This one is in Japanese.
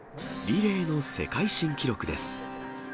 リレーの世界新記録です。